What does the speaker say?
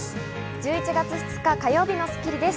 １１月２日、火曜日の『スッキリ』です。